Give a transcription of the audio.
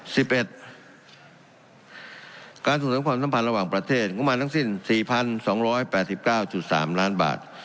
สิบเอ็ดการส่งเสริมความสัมพันธ์ระหว่างประเทศงบประมาณทั้งสิ้นสี่พันสองร้อยแปดสิบเก้าจุดสามล้านบาท